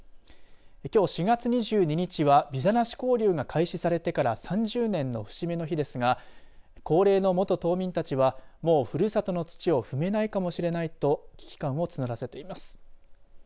きょう４月２２日はビザなし交流が開始されてから３０年の節目の日ですが高齢の元島民たちはもう、ふるさとの土を踏めないかもしれないと危機感を募らせています。